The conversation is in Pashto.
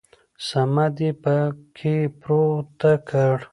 صمد يې په کې پورته کړ.